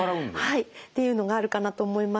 はいっていうのがあるかなと思います。